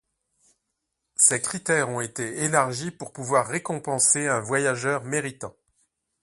Ses critères ont été élargis pour pouvoir récompenser un voyageur méritant.